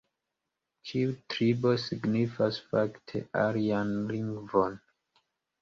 Ĉiu tribo signifas fakte alian lingvon.